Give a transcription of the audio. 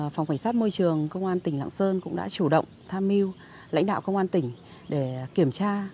phòng cảnh sát môi trường công an tỉnh lạng sơn cũng đã chủ động tham mưu lãnh đạo công an tỉnh để kiểm tra